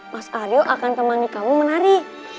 mas aryo akan temani kamu menari